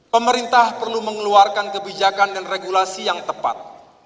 pemerintah perlu mengeluarkan kebijakan dan regulasi yang tepat